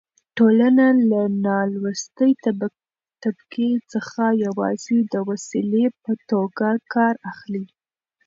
ټولنه له نالوستې طبقې څخه يوازې د وسيلې په توګه کار اخلي.